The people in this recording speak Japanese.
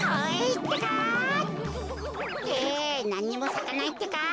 ってなんにもさかないってか。